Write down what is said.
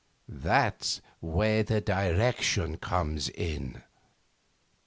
That's where direction comes in.